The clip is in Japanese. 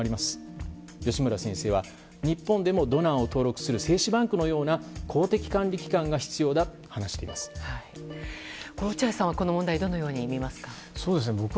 吉村先生は日本でもドナーを登録する精子バンクのような公的管理機関が必要だと落合さんはこの問題どのようにみますか。